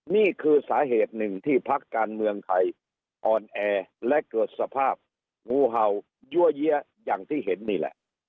นี่คือสาเหตุหนึ่งที่พักการเมืองไทยอ่อนแอและเกิดสภาพงูเห่ายั่วเยี้ยอย่างที่เห็นนี่แหละ